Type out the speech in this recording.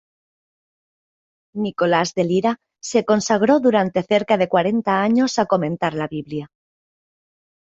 Nicolás de Lira se consagró durante cerca de cuarenta años a comentar la Biblia.